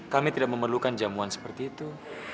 kami tidak memerlukan jamuan seperti itu